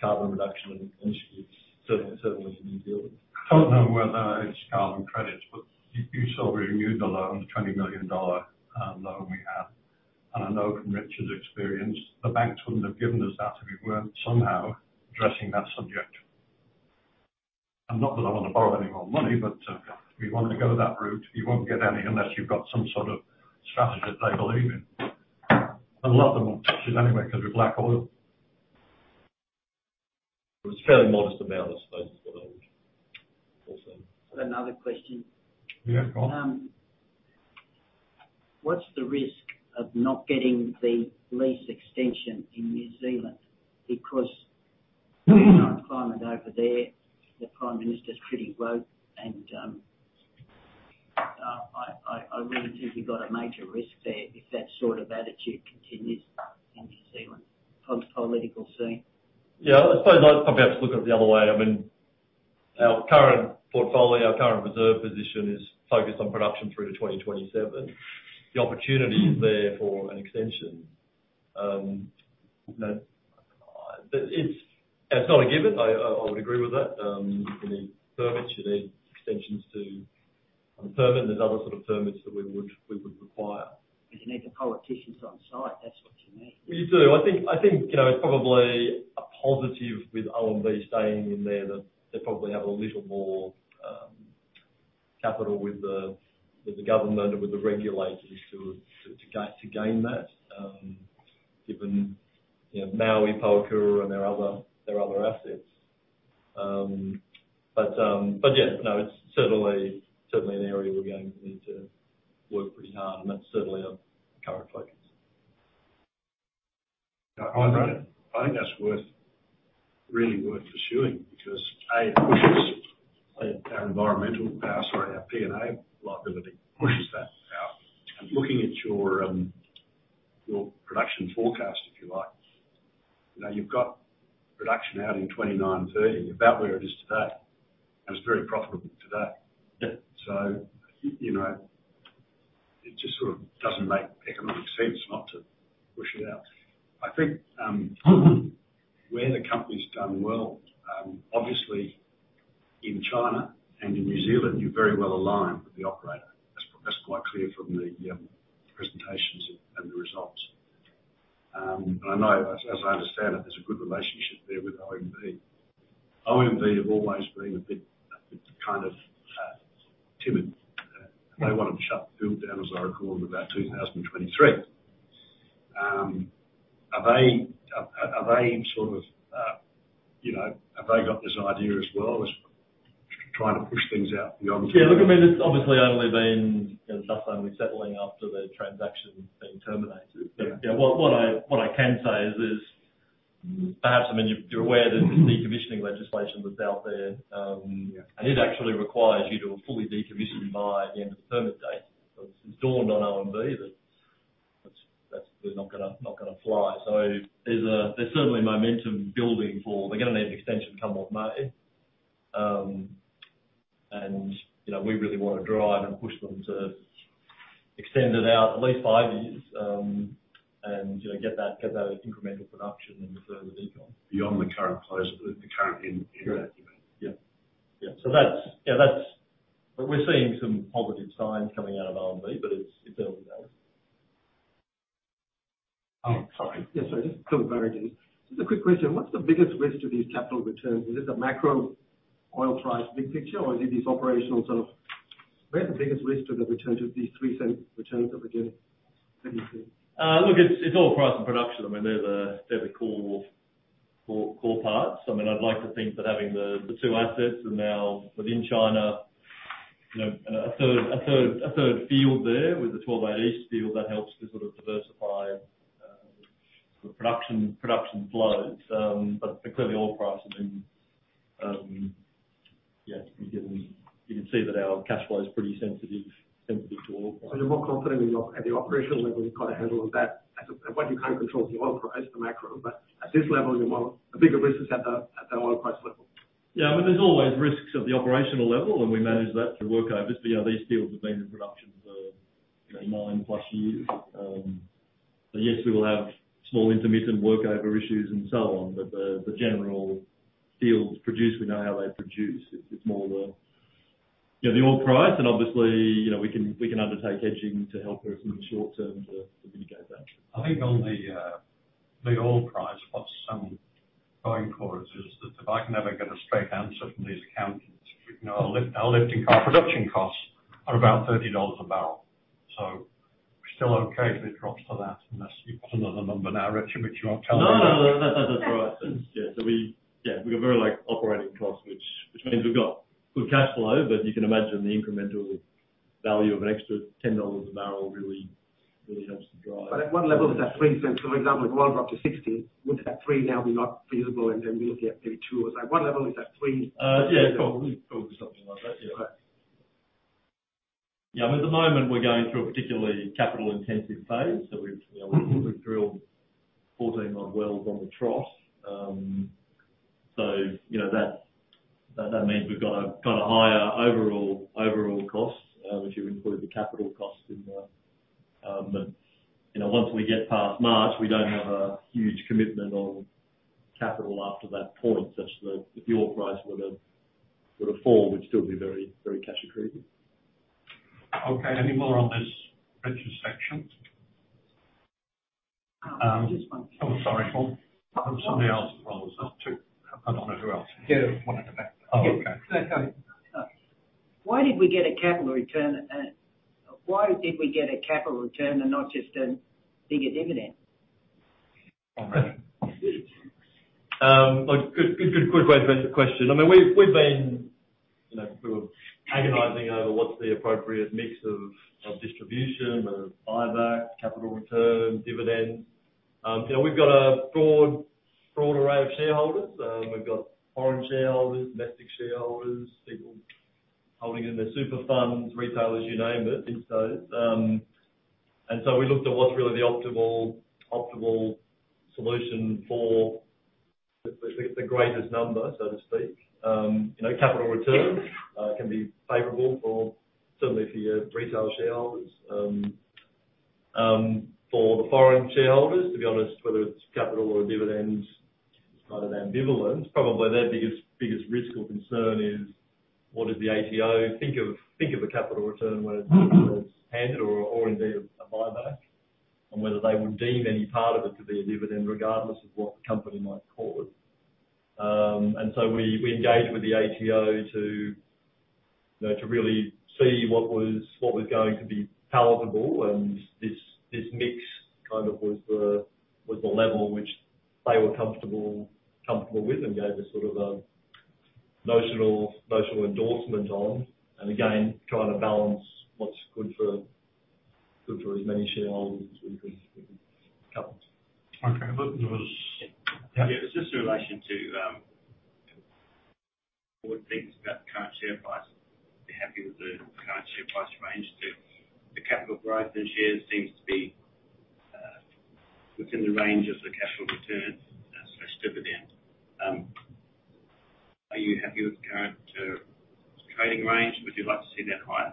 C: carbon reduction initiatives, certainly in New Zealand.
D: I don't know whether it's carbon credits, but you still renewed the loan, the 20 million dollar loan we have. I know from Richard's experience, the banks wouldn't have given us that if we weren't somehow addressing that subject. Not that I want to borrow any more money, but if you want to go that route, you won't get any unless you've got some sort of strategy that they believe in. A lot of them won't touch it anyway because we're black oil.
C: It was a fairly modest amount, I suppose, for those.
D: Awesome. Another question. Yeah, go on. What's the risk of not getting the lease extension in New Zealand? The current climate over there, the Prime Minister's pretty woke, and I really think you've got a major risk there if that sort of attitude continues in New Zealand, political scene.
C: I suppose I'd perhaps look at it the other way. Our current portfolio, our current reserve position is focused on production through to 2027. The opportunity is there for an extension. It's not a given. I would agree with that. You need permits. You need extensions to the permit. There are other sorts of permits that we would require.
D: You need the politicians on side. That's what you need.
C: You do. I think it's probably a positive with OMV staying in there, that they probably have a little more capital with the government or with the regulators to gain that, given Maari, Pohokura, and their other assets. Yeah, it's certainly an area we're going to need to work pretty hard, and that's certainly our current focus.
D: I think that's really worth pursuing because, A, it pushes our environmental, sorry, our P&A liability, pushes that out. Looking at your production forecast, if you like. You've got production out in 2029, 2030, about where it is today, and it's very profitable today.
C: Yeah.
D: It just sort of doesn't make economic sense not to push it out. I think where the company's done well, obviously in China and in New Zealand, you're very well aligned with the operator. That's quite clear from the presentations and the results. I know, as I understand it, there's a good relationship there with OMV. OMV have always been a bit timid. They wanted to shut the field down, as I recall, in about 2023. Have they got this idea as well as trying to push things out beyond?
C: Yeah, look, I mean, it's obviously only been some time we're settling after the transaction has been terminated. What I can say is perhaps, you're aware that the decommissioning legislation that's out there.
D: Yeah.
C: It actually requires you to have fully decommissioned by the end of the permit date. It's dawned on OMV that that's not going to fly. There's certainly momentum building for they're going to need an extension come off May. We really want to drive and push them to extend it out at least five years, and get that incremental production in the further decile.
D: Beyond the current close, the current end.
C: Correct. Yeah. We're seeing some positive signs coming out of OMV, but it's early days.
D: Oh, sorry. Yes, sorry. Just very quick. Just a quick question. What's the biggest risk to these capital returns? Is it the macro or- Oil price big picture, or is it these operational sort of Where's the biggest risk to the return to these 0.03 returns at the beginning? Thank you.
C: Look, it's all price and production. They're the core parts. I'd like to think that having the two assets and now within China, a third field there with the WZ12-8E field, that helps to sort of diversify the production flows. Clearly, you can see that our cash flow is pretty sensitive to oil price.
D: You're more confident at the operational level, you've got a handle on that. What you can't control is the oil price, the macro, but at this level, the bigger risk is at the oil price level.
C: There's always risks at the operational level, and we manage that through workovers. Yeah, these fields have been in production for nine plus years. Yes, we will have small intermittent workover issues and so on. The general fields produce, we know how they produce. It's more the oil price and obviously, we can undertake hedging to help us in the short term to mitigate that.
A: I think on the oil price, what's going for us is that if I can ever get a straight answer from these accountants, our lifting production costs are about 30 dollars a barrel. We're still okay if it drops to that, unless you've got another number now, Richard, which you won't tell me.
C: No. That's about right. We've got very light operating costs, which means we've got good cash flow, but you can imagine the incremental value of an extra 10 dollars a barrel really helps to drive.
D: At what level is that 0.03? For example, if oil dropped to 60, would that 0.03 now be not feasible and then we're looking at maybe 0.02? At what level is that 0.03?
C: Yeah. Probably something like that. Yeah. At the moment, we're going through a particularly capital-intensive phase. We've drilled 14 odd wells on the trot. That means we've got a higher overall cost, if you include the capital cost in that. Once we get past March, we don't have a huge commitment on capital after that point, such that if the oil price were to fall, we'd still be very cash accretive.
A: Okay. Any more on this, Richard's section?
D: Just one.
A: Oh, sorry. Somebody else had their hand up too. I don't know who else.
D: Yeah. One at the back.
A: Oh, okay.
D: Why did we get a capital return and not just a bigger dividend?
C: Good way to pose the question. We've been sort of agonizing over what's the appropriate mix of distribution, of buyback, capital return, dividend. We've got a broad array of shareholders. We've got foreign shareholders, domestic shareholders, people holding in their super funds, retailers, you name it. We looked at what's really the optimal solution for the greatest number, so to speak. Capital return can be favorable for certainly for your retail shareholders. For the foreign shareholders, to be honest, whether it's capital or dividends, it's part of their ambivalence. Probably their biggest risk or concern is what does the ATO think of a capital return, whether it's handed or indeed a buyback, and whether they would deem any part of it to be a dividend regardless of what the company might call it. We engaged with the ATO to really see what was going to be palatable, and this mix kind of was the level which they were comfortable with and gave a sort of a notional endorsement on. Again, trying to balance what's good for as many shareholders as we could cover.
A: Okay.
D: Yeah. It was just in relation to board thinks about the current share price. They're happy with the current share price range too. The capital growth in shares seems to be within the range of the capital return/dividend. Are you happy with the current trading range? Would you like to see that higher?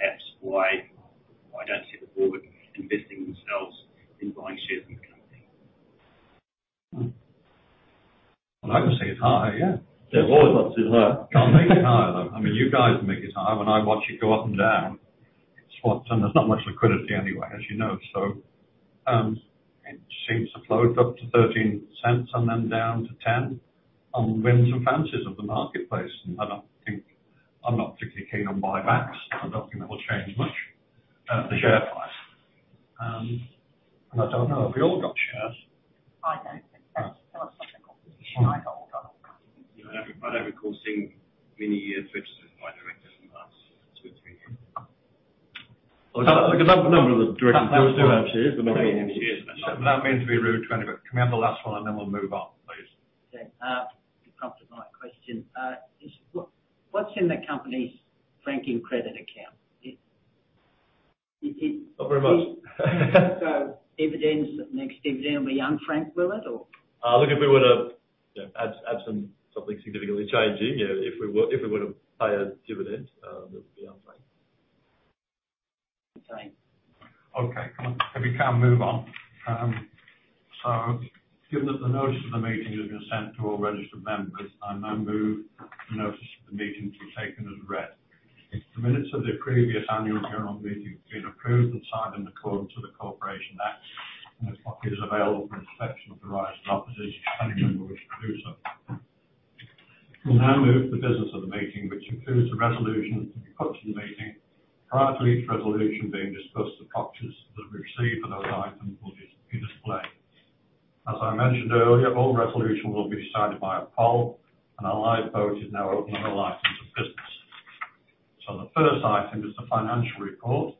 D: Perhaps why I don't see the board investing themselves in buying shares in the company?
A: Well, I would say it's higher, yeah.
C: They always want it higher.
A: Can't make it higher, though. You guys make it higher. When I watch it go up and down, it swaps, and there's not much liquidity anyway, as you know. It seems to float up to 0.13 and then down to 0.10 on the whims and fancies of the marketplace. I don't particularly keen on buybacks. I don't think that will change much the share price. I don't know if we all got shares.
D: I don't think so. It's not a public company. I hold on. I don't recall seeing many registered by directors in the last two or three years.
C: A number of the directors do have shares, but not many.
A: Not meaning to be rude to anybody. Can we have the last one, and then we'll move on, please?
D: Okay. You've prompted my question. What's in the company's franking credit account?
C: Not very much.
D: dividends, next dividend will be unfranked, will it?
C: Look, if we were to, absent something significantly changing, if we were to pay a dividend, that would be unfranked.
D: Thanks.
A: Given that the notice of the meeting has been sent to all registered members, I now move the notice of the meeting to be taken as read. The minutes of the previous annual general meeting have been approved and signed in accordance with the Corporations Act, and a copy is available for inspection at the registered offices of any member who wishes to do so. We'll now move to the business of the meeting, which includes the resolutions put to the meeting. Prior to each resolution being discussed, the proxies that we've received for those items will be displayed. As I mentioned earlier, all resolutions will be decided by a poll, and a live vote is now open on our items of business. The first item is the financial report.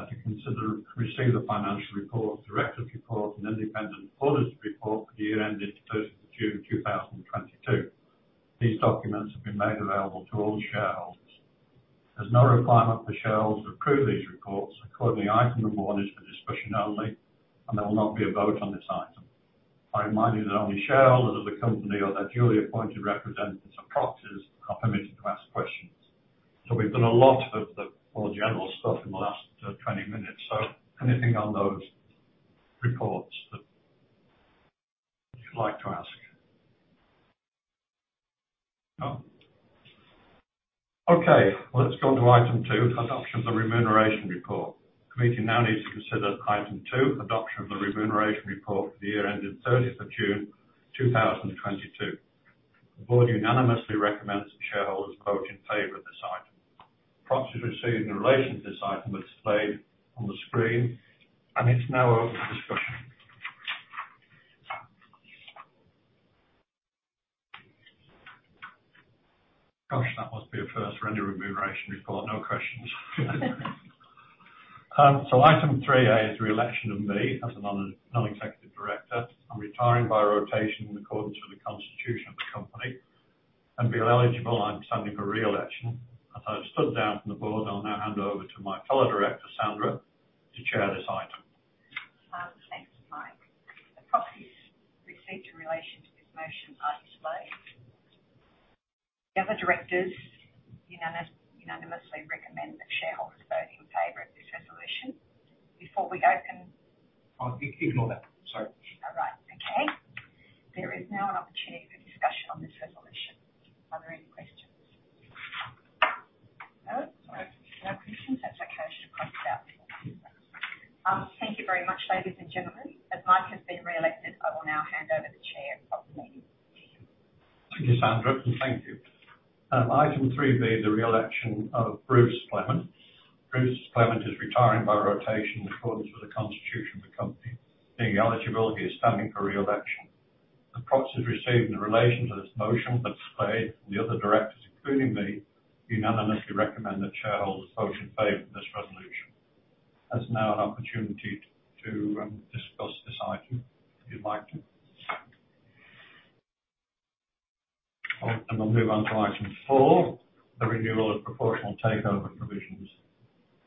A: To receive the financial report, directors' report, and independent auditor's report for the year ended 30th of June 2022. These documents have been made available to all shareholders. There's no requirement for shareholders to approve these reports. Accordingly, item number 1 is for discussion only, and there will not be a vote on this item. I remind you that only shareholders of the company or their duly appointed representatives or proxies are permitted to ask questions. We've done a lot of the more general stuff in the last 20 minutes. Anything on those reports that you'd like to ask? No. Okay. Well, let's go to item 2, adoption of the remuneration report. The committee now needs to consider item 2, adoption of the remuneration report for the year ended 30th of June 2022. The board unanimously recommends that shareholders vote in favor of this item. Proxies received in relation to this item are displayed on the screen, and it's now open for discussion. Gosh, that must be a first. Any remuneration report, no questions. Item 3A is the re-election of me as a non-executive director. I'm retiring by rotation in accordance with the constitution of the company, and being eligible, I'm standing for re-election. As I've stood down from the board, I'll now hand over to my fellow director, Sandra, to chair this item.
E: Thanks, Mike. The proxies received in relation to this motion are displayed. The other directors unanimously recommend that shareholders vote in favor of this resolution.
A: Oh, ignore that. Sorry.
E: All right. Okay. There is now an opportunity for discussion on this resolution. Are there any questions? No? All right. No questions. That's okay. I should have crossed out that. Thank you very much, ladies and gentlemen. As Mike has been re-elected, I will now hand over the Chair of the meeting.
A: Thank you, Sandra. Thank you. Item 3B, the re-election of Bruce Clement. Bruce Clement is retiring by rotation in accordance with the constitution of the company. Being eligible, he is standing for re-election. The proxies received in relation to this motion are displayed, and the other directors, including me, unanimously recommend that shareholders vote in favor of this resolution. There's now an opportunity to discuss this item if you'd like to. We'll move on to Item 4, the renewal of proportional takeover provisions.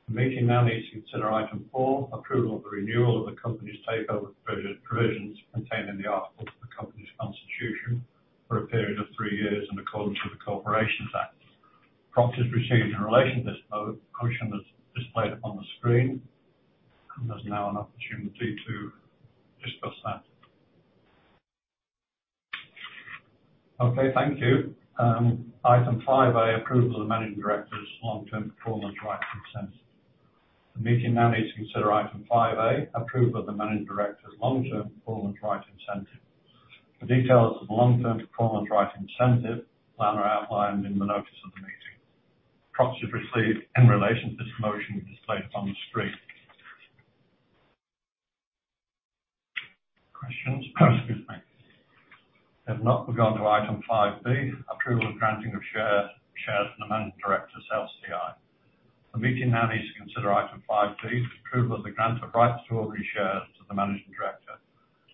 A: The meeting now needs to consider Item 4, approval of the renewal of the company's takeover provisions contained in the articles of the company's constitution for a period of 3 years in accordance with the Corporations Act. Proxies received in relation to this motion are displayed up on the screen. There's now an opportunity to discuss that. Okay. Thank you. Item 5A, approval of the managing director's Long-Term Performance Right Incentive. The meeting now needs to consider item 5A, approval of the managing director's Long-Term Performance Right Incentive. The details of the Long-Term Performance Right Incentive Plan are outlined in the notice of the meeting. Proxies received in relation to this motion are displayed on the screen. Questions? Excuse me. If not, we'll go on to item 5B, approval of granting of shares to the managing director STI. The meeting now needs to consider item 5B for approval of the grant of rights to ordinary shares to the managing director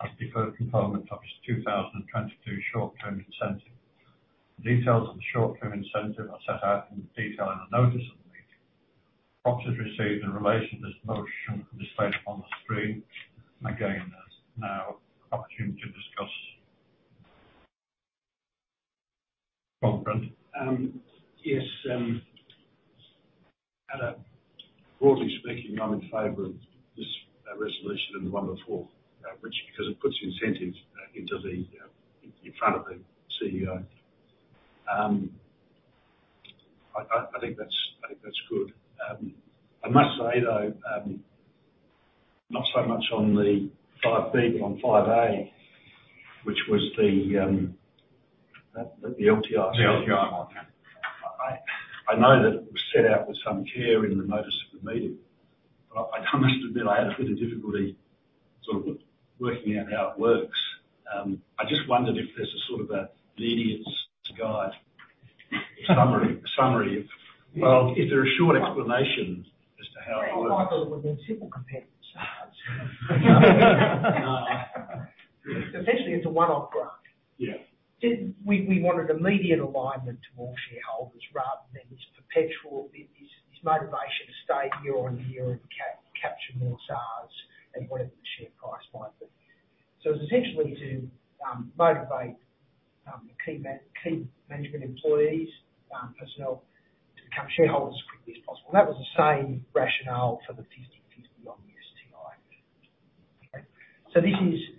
A: as the deferred component of his 2022 Short-Term Incentive. The details of the Short-Term Incentive are set out in detail in the notice of the meeting. Proxies received in relation to this motion are displayed on the screen. Again, there's now an opportunity to discuss. Go on, Brent.
D: Yes. Broadly speaking, I'm in favor of this resolution and the one before because it puts incentives in front of the CEO. I think that's good. I must say, though, not so much on the 5B, but on 5A, which was the LTR.
A: The LTR one. Yeah.
D: I know that it was set out with some care in the notice of the meeting, but I must admit, I had a bit of difficulty sort of working out how it works. I just wondered if there's a sort of an idiot's guide- summary. Is there a short explanation as to how it works?
F: I thought it would've been simple compared to the SARs. Essentially, it's a one-off grant.
D: Yeah.
F: We wanted immediate alignment to all shareholders rather than this perpetual, this motivation to stay year on year and capture more SARs at whatever the share price might be. It's essentially to motivate key management employees, personnel to become shareholders as quickly as possible. That was the same rationale for the 50. This is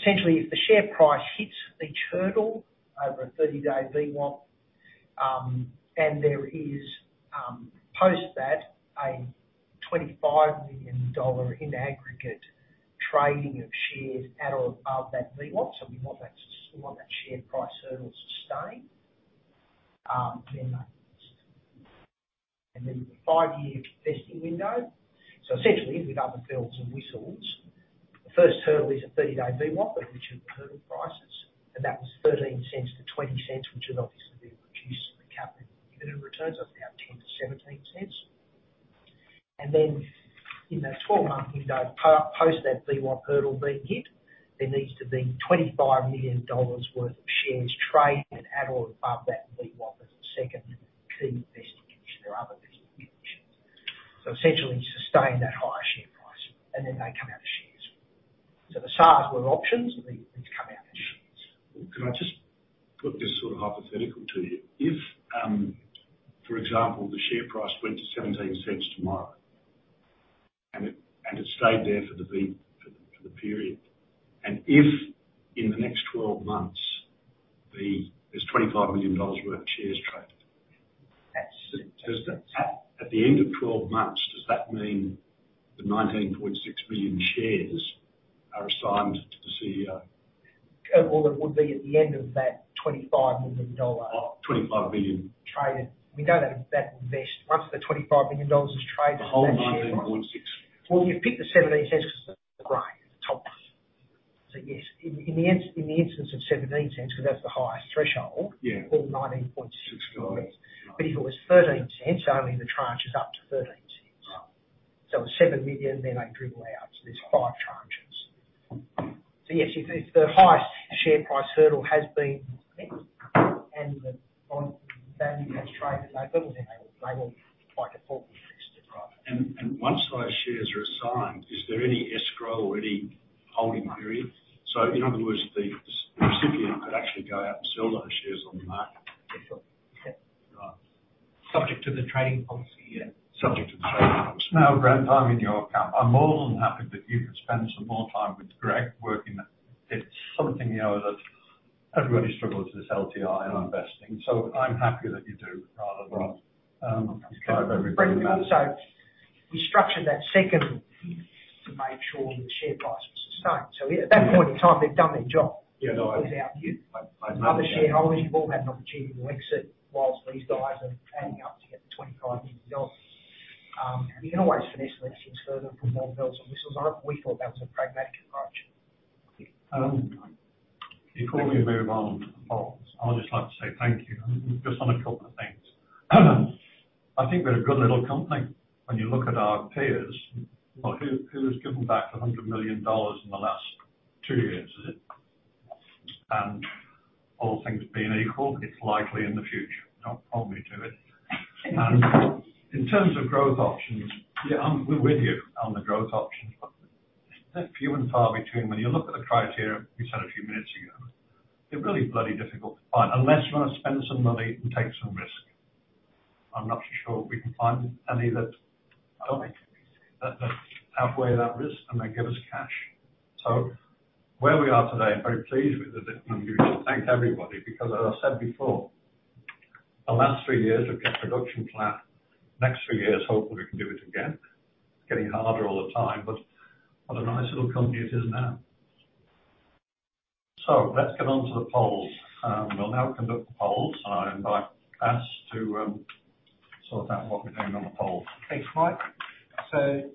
F: essentially if the share price hits each hurdle over a 30-day VWAP, and there is, post that, an 25 million dollar in aggregate trading of shares at or above that VWAP. We want that share price hurdle to stay. Then the five-year vesting window. Essentially, with other bells and whistles, the first hurdle is a 30-day VWAP, which is the hurdle prices, and that was 0.13-0.20, which has obviously been reduced to the cap rate of return. It's now AUD 0.10-AUD 0.17. In that 12-month window, post that VWAP hurdle being hit, there needs to be 25 million dollars worth of shares traded at or above that VWAP as the second key vesting condition. There are other vesting conditions. Essentially sustain that higher share price, and then they come out with shares. The SARs were options, these come out in shares.
D: Can I just put this hypothetical to you? If, for example, the share price went to 0.17 tomorrow and it stayed there for the period, and if in the next 12 months there's 25 million dollars worth of shares traded.
F: That's it.
D: At the end of 12 months, does that mean the 19.6 million shares are assigned to the CEO?
F: Well, it would be at the end of that 25 million
D: dollar. 25 million.
F: traded. We don't have that vest. Once the 25 million dollars is traded.
D: The whole 19.6.
F: Well, you pick the 0.17 because that's the gray, the top one. Yes, in the instance of 0.17, because that's the highest threshold.
D: Yeah
F: all 19.6 million dollars. If it was 0.13, only the tranche is up to 0.13.
D: Right.
F: It was 7 million, then they dribble out. There's five tranches. Yes, if the highest share price hurdle has been met and the volume has traded, they will quite importantly vest it.
D: Right. Once those shares are assigned, is there any escrow or any holding period? In other words, the recipient could actually go out and sell those shares on the market.
F: Yes, sure.
D: Right.
F: Subject to the trading policy, yeah.
D: Subject to the trading policy.
A: Brent, I'm in your camp. I'm more than happy that you could spend some more time with Greg working at it. It's something that everybody struggles with this LTI and investing. I'm happy that you do.
D: Right.
A: Kind of everybody else.
F: Also, we structured that second to make sure that the share price was sustained. At that point in time, they've done their job.
D: Yeah. No.
F: Without you. Other shareholders have all had an opportunity to exit while these guys are adding up to get the 25 million. We can always finish the listings further and put more bells and whistles on it. We thought that was a pragmatic approach.
A: Before we move on, I would just like to say thank you. Just on a couple of things. I think we're a good little company. When you look at our peers, who's given back 100 million dollars in the last two years, is it? All things being equal, it's likely in the future, they'll probably do it. In terms of growth options, yeah, we're with you on the growth options, but they're few and far between. When you look at the criteria we said a few minutes ago, they're really bloody difficult to find. Unless you want to spend some money and take some risk. I'm not sure we can find any that don't require that risk and they give us cash. Where we are today, I'm very pleased with the dividend. We thank everybody, because as I said before, the last three years we've kept production flat. Next three years, hopefully, we can do it again. It's getting harder all the time, but what a nice little company it is now. Let's get on to the polls. We'll now conduct the polls. I invite Cass to sort out what we're doing on the polls.
B: Thanks, Mike.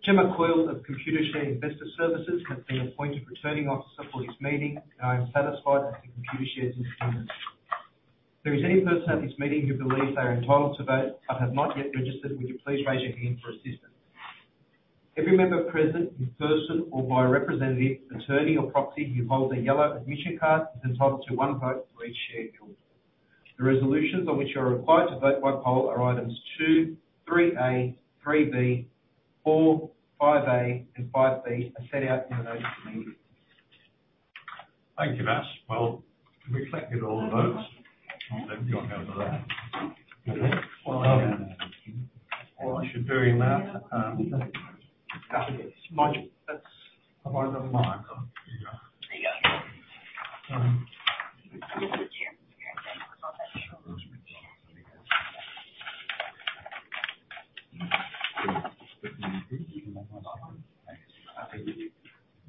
B: Jim McQuill of Computershare Investor Services has been appointed Returning Officer for this meeting. I am satisfied that the Computershare is in order. If there is any person at this meeting who believes they are entitled to vote but have not yet registered, would you please raise your hand for assistance. Every member present in person or by representative, attorney or proxy, who holds a yellow admission card is entitled to one vote for each share held. The resolutions on which you are required to vote by poll are items 2, 3 A, 3 B, 4, 5 A, and 5 B, as set out in the notice of the meeting.
A: Thank you, Cass. Well, have we collected all the votes? We don't have to that. While I should be doing that.
F: Mike,
A: Am I on mic?
F: There you go.
D: This is here.
A: There's another one, Grant.
F: Yeah.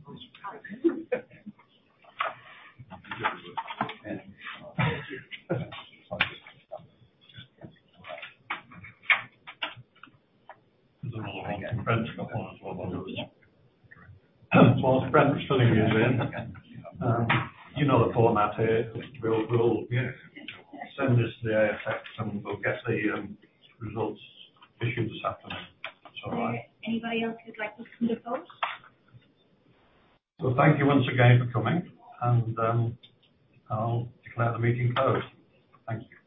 A: Whilst Grant's filling you in, you know the format here. We'll send this to the ASX, and we'll get the results issued this afternoon. It's all right.
E: Anybody else who'd like to see the votes?
A: Thank you once again for coming, and I'll declare the meeting closed. Thank you.